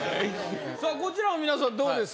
さぁこちらの皆さんどうですか？